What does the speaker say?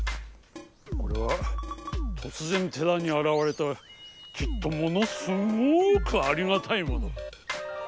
これはとつぜん寺にあらわれたきっとものすごくありがたいもの！